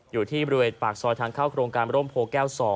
อยู่ที่บริเวณปากซอยทางเข้าโครงการร่มโพแก้ว๒